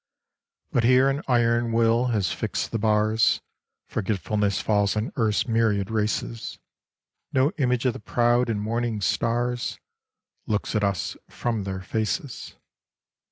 But here an iron will has fixed the bars ; Forgetfulness falls on earth's myriad races : No image of the proud and morning stars Looks at us from their faces.